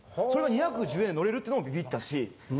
それが２１０円で乗れるっていうのもびびったし。